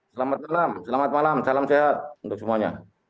selamat malam selamat malam salam sehat untuk semuanya